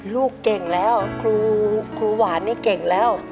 ลูกเก่งแล้วครูหวานนี่เก่งแล้ว